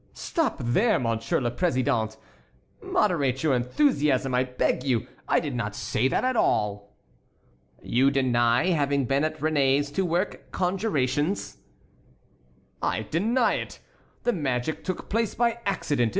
"Stop there, Monsieur le Président. Moderate your enthusiasm, I beg you. I did not say that at all." "You deny having been at Réné's to work conjurations?" "I deny it. The magic took place by accident.